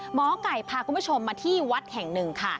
หมอไก่พาคุณผู้ชมมาที่วัดแห่งหนึ่งค่ะ